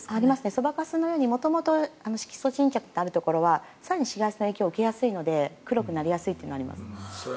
そばかすみたいに元々、色素沈着があるところは更に紫外線の影響を受けやすいので黒くなりやすいというのがあります。